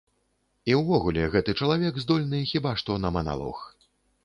І ўвогуле, гэты чалавек здольны хіба што на маналог.